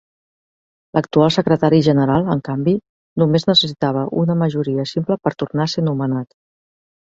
L'actual Secretari General, en canvi, només necessitava una majoria simple per tornar a ser nomenat.